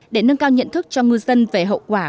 để nâng cao nhận thức cho ngư dân về hậu quả